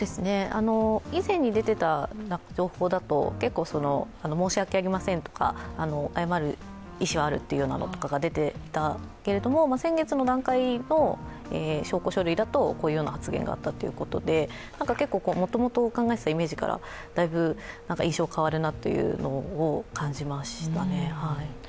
以前出ていた情報だと、申し訳ありませんとか謝る意思はあるというのが出ていたけれども、先月の段階の証拠書類だとこういうような発言があったということで結構もともと考えていたイメージからだいぶ印象変わるなというのを感じましたね。